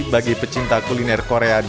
bagi pecinta kuliner korea dan keju